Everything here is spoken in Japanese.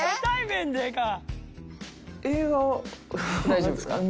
大丈夫ですか？